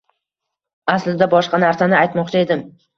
Aslida boshqa narsani aytmoqchi edim.